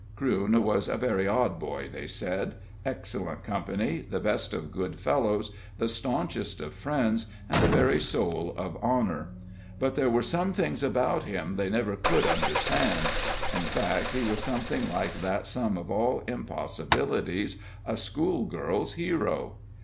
Crewne was a very odd boy, they said excellent company, the best of good fellows, the staunchest of friends, and the very soul of honor; but there were some things about him they never could understand. In fact, he was something like that sum of all impossibilities, a schoolgirl's hero.